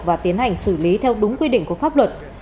và tiến hành xử lý theo đúng quy định của pháp luật